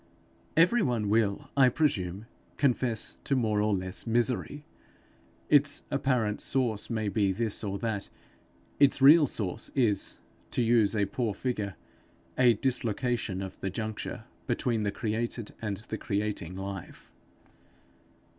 Every one will, I presume, confess to more or less misery. Its apparent source may be this or that; its real source is, to use a poor figure, a dislocation of the juncture between the created and the creating life.